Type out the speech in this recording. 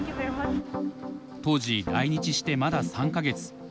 当時来日してまだ３か月。